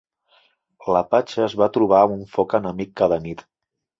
L'Apache es va trobar amb foc enemic cada nit.